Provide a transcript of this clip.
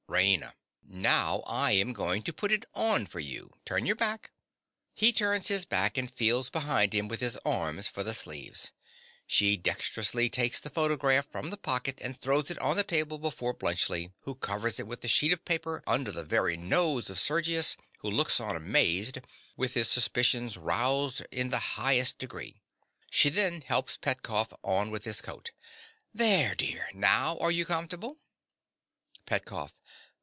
RAINA. Now, I am going to put it on for you. Turn your back. (_He turns his back and feels behind him with his arms for the sleeves. She dexterously takes the photograph from the pocket and throws it on the table before Bluntschli, who covers it with a sheet of paper under the very nose of Sergius, who looks on amazed, with his suspicions roused in the highest degree. She then helps Petkoff on with his coat._) There, dear! Now are you comfortable? PETKOFF.